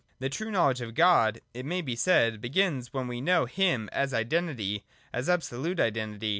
The true knowledge of God, it may be said, begins when we know him as identity, — as absolute identity.